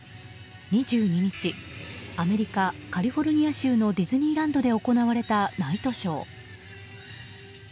２２日アメリカ・カリフォルニア州のディズニーランドで行われたナイトショー。